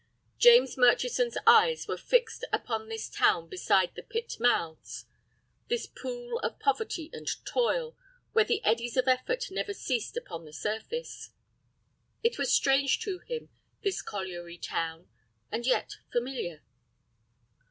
James Murchison's eyes were fixed upon this town beside the pit mouths, this pool of poverty and toil, where the eddies of effort never ceased upon the surface. It was strange to him, this colliery town, and yet familiar.